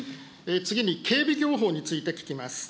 次に警備業法について聞きます。